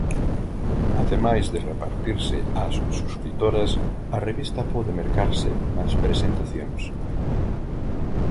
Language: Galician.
Ademais de repartirse ás subscritoras, a revista pode mercarse nas presentacións.